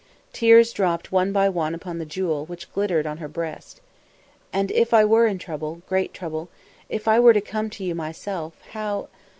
Tears dropped one by one upon the jewel which glittered on her breast. "And if I were in trouble great trouble if I were to come to you myself, how